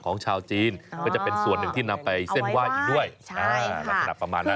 ของชาวจีนก็จะเป็นส่วนหนึ่งที่นำไปเส้นไหว้อีกด้วยลักษณะประมาณนั้น